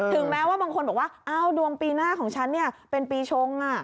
แม้ว่าบางคนบอกว่าอ้าวดวงปีหน้าของฉันเป็นปีชง